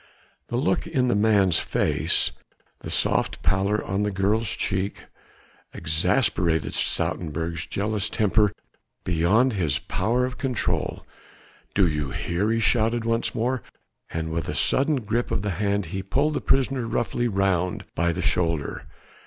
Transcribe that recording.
The look in the man's face, the soft pallor on the girl's cheek, exasperated Stoutenburg's jealous temper beyond his power of control. "Do you hear?" he shouted once more, and with a sudden grip of the hand he pulled the prisoner roughly round by the shoulder.